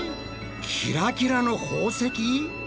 キラキラの宝石？